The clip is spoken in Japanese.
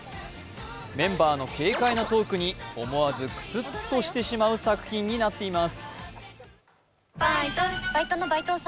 メンバーの軽快なトークに思わずクスッとしてしまう作品になっています。